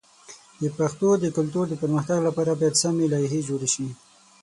د پښتو د کلتور د پرمختګ لپاره باید سمی لایحې جوړ شي.